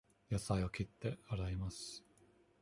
野菜を切って、洗います。